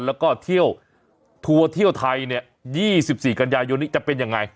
แล้วก็ทัวเที่ยวไทย๒๔กันยายนจะเป็นยังไง